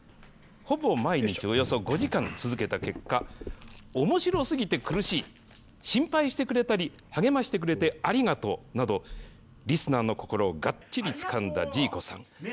ほぼ毎日およそ５時間続けた結果、おもしろすぎて苦しい、心配してくれたり、励ましてくれてありがとうなど、リスナーの心をがっちりつかんだＪＩＫＯさん。